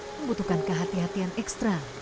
membutuhkan kehati hatian ekstra